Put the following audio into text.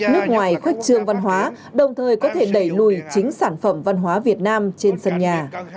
nước ngoài khuất trương văn hóa đồng thời có thể đẩy lùi chính sản phẩm văn hóa việt nam trên sân nhà